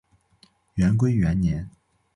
元龟元年。